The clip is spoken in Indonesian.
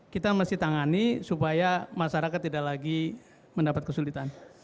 kita mesti tangani supaya masyarakat tidak lagi mendapat kesulitan